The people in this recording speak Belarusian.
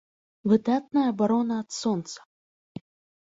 Выдатная абарона ад сонца!